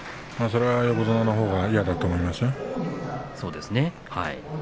それは横綱のほうが嫌だと思いますよ。